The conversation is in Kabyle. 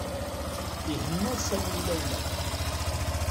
Ihenna Sami Layla.